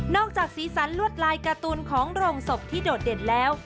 จากสีสันลวดลายการ์ตูนของโรงศพที่โดดเด่นแล้ว